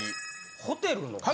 ホテルの鍵？